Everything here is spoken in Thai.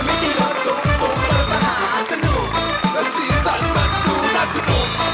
ล๊อคทำทุกเรื่องไม่ใช่นรดตุ๊กตุ๊ก